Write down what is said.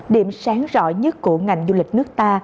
điểm sáng rõ nhất của ngành du lịch nước ta